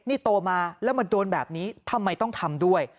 นี่โตมาแล้วมาโดนแบบนี้ทำไมต้องทำด้วย